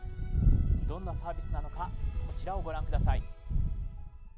どんなサービスなのかこちらをご覧下さい。